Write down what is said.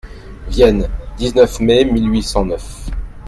Vienne, dix-neuf mai mille huit cent neuf.